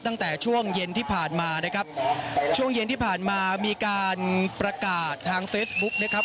ตั้งแต่ช่วงเย็นที่ผ่านมานะครับช่วงเย็นที่ผ่านมามีการประกาศทางเฟซบุ๊กนะครับ